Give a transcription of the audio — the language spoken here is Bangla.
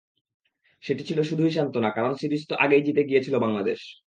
সেটি ছিল শুধুই সান্ত্বনা, কারণ সিরিজ তো আগেই জিতে গিয়েছিল বাংলাদেশ।